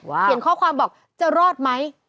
เขียนข้อความบอกจะรอดไหม